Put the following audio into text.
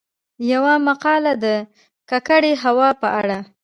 يومـقاله د کـکړې هـوا په اړه :